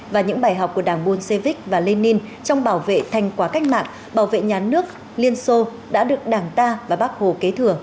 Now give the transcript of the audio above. và những bài học của đảng bolshevik và lenin trong bảo vệ thành quả cách mạng bảo vệ nhà nước liên xô đã được đảng ta và bác hồ kế thừa